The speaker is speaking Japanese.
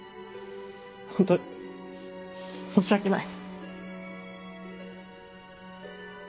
ホント申し訳ない。